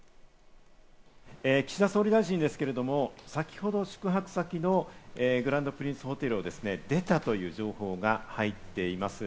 岸田総理大臣ですけど、先ほど宿泊先のグランドプリンスホテルを出たという情報が入っています。